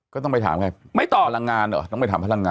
ก็ต้องไปถามภลังงานเบียบ